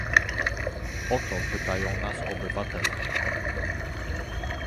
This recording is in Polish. O to pytają nas obywatele